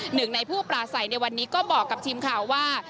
หนึ่งในผู้ปลาใสในวันนี้ก็บอกกับทีมข่าวว่า